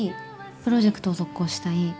プロジェクトを続行したい。